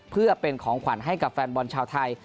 เพื่อเป็นของขวัญให้กับแฟนบอลชาวไทย